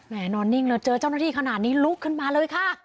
นอนนิ่งเลยเจอเจ้าหน้าที่ขนาดนี้ลุกขึ้นมาเลยค่ะ